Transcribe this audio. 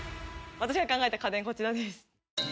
私が考えた家電こちらです。